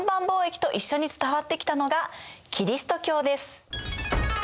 貿易と一緒に伝わってきたのがキリスト教です。